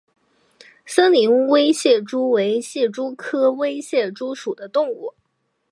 森林微蟹蛛为蟹蛛科微蟹蛛属的动物。